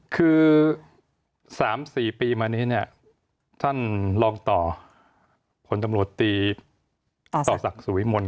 คือ๓๔ปีมานี้ท่านลองต่อผลตำรวจตีต่อสักสุวิมนต์